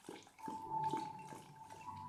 紫蕊蚤缀